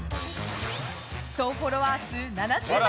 総フォロワー数７０万